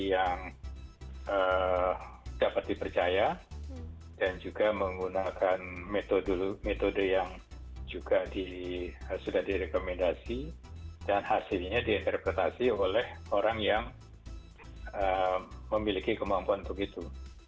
yang dapat dipercaya dan juga menggunakan metode yang juga sudah direkomendasi dan hasilnya diinterpretasi oleh orang yang memiliki kemampuan untuk itu